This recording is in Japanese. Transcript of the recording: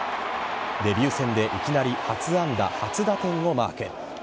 デビュー戦でいきなり初安打初打点をマーク。